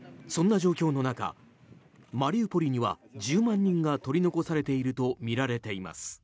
そんな状況の中マリウポリには１０万人が取り残されているとみられています。